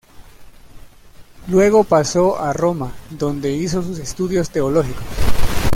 Luego pasó a Roma donde hizo sus estudios teológicos.